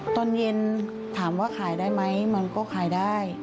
ตอนเย็นถามว่าขายได้ไหมมันก็ขายได้